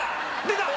出た！